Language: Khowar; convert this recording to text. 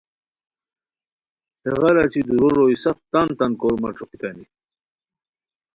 ہیغار اچی دُورو روئے سف تان تان کورمہ ݯوکیتانی